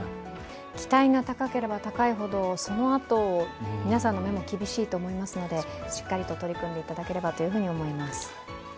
期待が高ければ高いほど、皆さんの目も厳しいと思うのでしっかりと取り組んでいただければと思います。